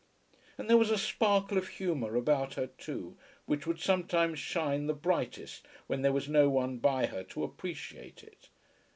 And there was a sparkle of humour about her too, which would sometimes shine the brightest when there was no one by her to appreciate it.